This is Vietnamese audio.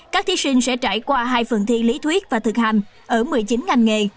các thí sinh sẽ trải qua hai phần thi lý thuyết và thực hành ở một mươi chín ngành nghề